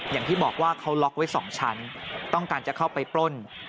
อย่างที่บอกว่าเขาล็อกไว้๒ชั้นต้องการจะเข้าไปปล้น